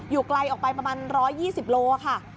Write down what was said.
ไกลออกไปประมาณ๑๒๐โลค่ะ